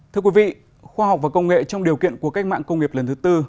thưa quý vị khoa học và công nghệ trong điều kiện của cách mạng công nghiệp lần thứ tư